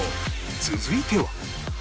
続いては